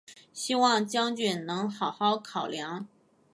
希望将军能好好考量！